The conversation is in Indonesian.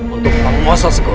untuk penguasa segera